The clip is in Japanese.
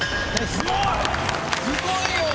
すごいよ！